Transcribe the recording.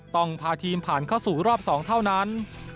ต้องพาทีมผ่านเข้าสู่รอบสองเท่านั้น